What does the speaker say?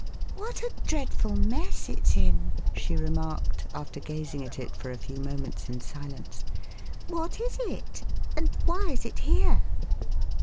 What a dreadful mess it s in !" she remarked, after gazing at it for a few moments in silence. What is it, and why is it here